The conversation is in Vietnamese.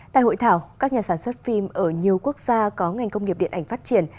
tại hội thảo các nhà sản xuất phim ở nhiều quốc gia có ngành công nghiệp điện ảnh phát triển